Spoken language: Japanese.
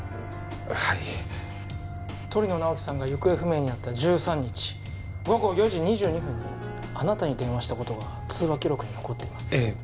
はい鳥野直木さんが行方不明になった１３日午後４時２２分にあなたに電話したことが通話記録に残っていますええ